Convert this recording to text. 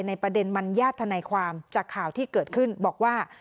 ประเด็นมันญาติธนายความจากข่าวที่เกิดขึ้นบอกว่า